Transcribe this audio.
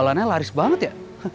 jualannya laris banget ya